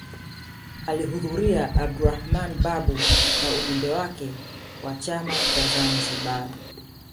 Alihudhuria Abdulrahman Babu na ujumbe wake wa chama cha Zanzibar